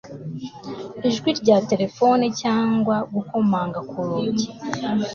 ijwi rya terefone cyangwa gukomanga ku rugi